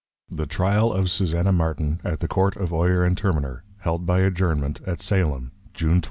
THE TRYAL OF SUSANNA MARTIN, AT THE COURT OF OYER AND TERMINER, HELD BY ADJOURNMENT AT SALEM, JUNE 29.